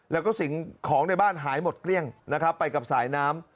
แล้วก็สิ่งของในบ้านหายหมดเกลี้ยงนะครับไปกับสายน้ำ